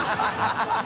ハハハ